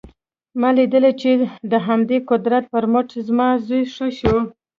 ما لیدلي چې د همدې قدرت پر مټ زما زوی ښه شو